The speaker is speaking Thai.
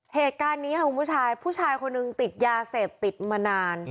เหตุการณ์นี้ค่ะคุณผู้ชายผู้ชายคนหนึ่งติดยาเสพติดมานาน